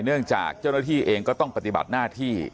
เนื่องจากเจ้าหน้าที่เองก็ต้องปฏิบัติหน้าที่